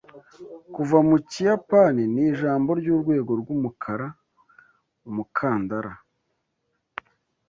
Kuva mu Kiyapani, ni ijambo ryurwego rwumukara-umukandara